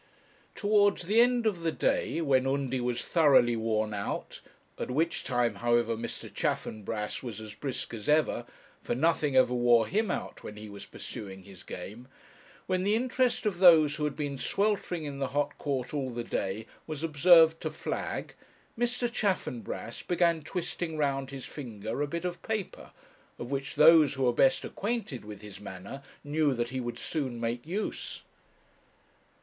Towards the end of the day, when Undy was thoroughly worn out at which time, however, Mr. Chaffanbrass was as brisk as ever, for nothing ever wore him out when he was pursuing his game when the interest of those who had been sweltering in the hot court all the day was observed to flag, Mr. Chaffanbrass began twisting round his finger a bit of paper, of which those who were best acquainted with his manner knew that he would soon make use.